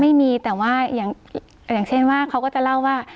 ไม่มีแต่ว่าอย่างเช่นว่าเขาก็จะเล่าว่า